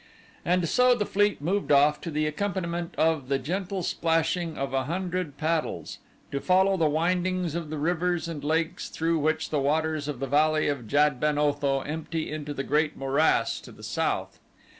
And so the fleet moved off to the accompaniment of the gentle splashing of a hundred paddles, to follow the windings of the rivers and lakes through which the waters of the Valley of Jad ben Otho empty into the great morass to the south.